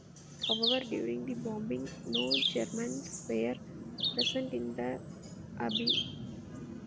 However, during the bombing no Germans were present in the abbey.